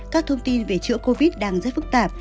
các thông tin về chữa covid đang rất phức tạp